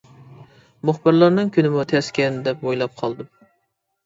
مۇخبىرلارنىڭ كۈنىمۇ تەسكەن دەپ ئويلاپ قالدىم.